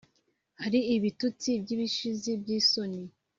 hari ibitutsi by’ibishizi by’isoni